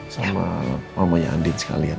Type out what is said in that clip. sama mamanya andin sekalian